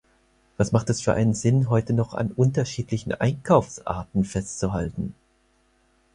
Was macht es für einen Sinn, heute noch an unterschiedlichen Einkaufsarten festzuhalten?